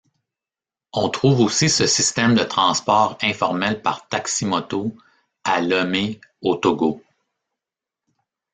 On trouve aussi ce système de transport informel par taximoto à Lomé, au Togo.